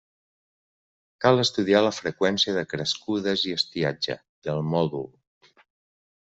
Cal estudiar la freqüència de crescudes i estiatge, i el mòdul.